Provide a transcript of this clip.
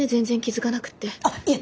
あっいえ！